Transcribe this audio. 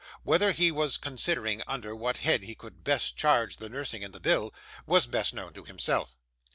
Whether he was considering under what head he could best charge the nursing in the bill, was best known to himself.